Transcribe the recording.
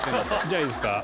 じゃあいいですか。